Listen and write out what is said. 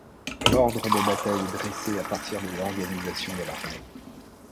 L'ordre de bataille est dressé à partir de l'organisation de l'armée.